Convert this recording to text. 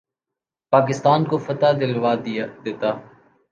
پاکستان کو فتح دلوا دیتا